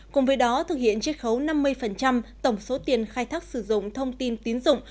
cùng với đó thực hiện triết khấu năm mươi tổng số tiền khai thác sử dụng thông tin tín dụng